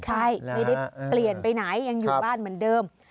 ใช่ไม่ได้เปลี่ยนไปไหนยังอยู่บ้านเหมือนเดิม